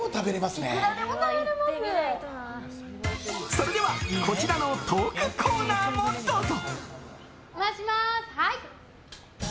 それではこちらのトークコーナーもどうぞ！